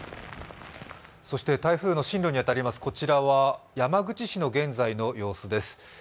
そして台風の進路に当たります、山口市の現在の様子です。